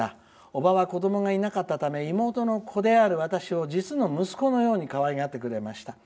おばは子どもがいなかったため妹の子である私を私を実の息子のようにかわいがってくれました。